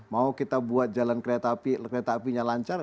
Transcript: mau kita buat jalan kereta api kereta apinya lancar